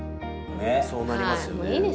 そうなりますよね。